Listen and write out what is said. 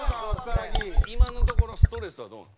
今のところストレスはどうなん？